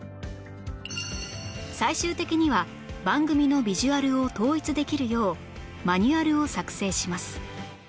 最終的には番組のビジュアルを統一できるようマニュアルを作成します